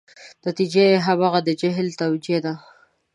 نتیجه یې همغه د جهل توجیه ده.